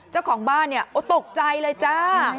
เจ้าของบ้านโต๊ะใจเลยจ้า